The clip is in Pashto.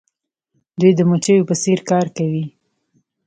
دوی د مچیو په څیر کار کوي.